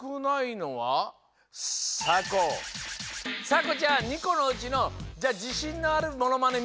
さこちゃん２このうちのじゃあじしんのあるモノマネ